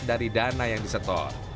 dari dana yang disetor